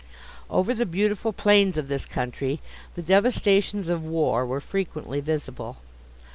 Over the beautiful plains of this country the devastations of war were frequently visible.